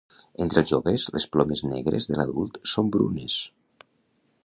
Entre els joves, les plomes negres de l'adult són brunes.